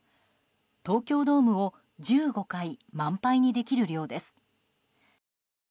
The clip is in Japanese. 東京ドームを１５回満杯にできる量です。